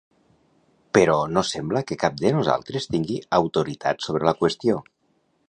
Però no sembla que cap de nosaltres tingui autoritat sobre la qüestió.